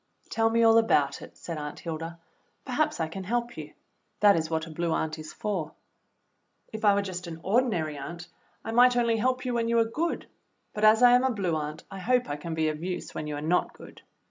"Tell me all about it," said Aunt Hilda. "Perhaps I can help you; that is what a Blue Aunt is for. If I EVELYN'S WAR WORK 51 were just an ordinary aunt I might only help you when you are good, but as I am a Blue Aunt I hope I can be of use when you are not good."